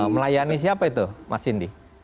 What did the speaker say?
melayani siapa itu mas indi